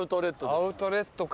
アウトレットか。